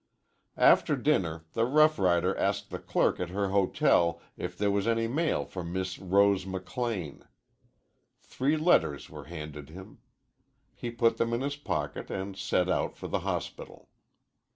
After dinner the rough rider asked the clerk at her hotel if there was any mail for Miss Rose McLean. Three letters were handed him. He put them in his pocket and set out for the hospital.